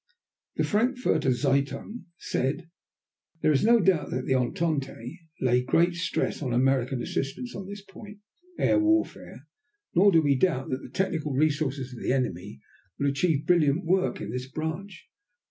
The Frankfurter Zeitung said: "There is no doubt that the Entente lay great stress on American assistance on this point (air warfare). Nor do we doubt that the technical resources of the enemy will achieve brilliant work in this branch.